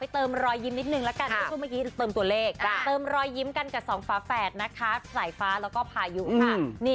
เติมรอยยิ้มกันกันกับสองฝาแฟดนะคะสายฟ้าแล้วก็พายุค่ะนี่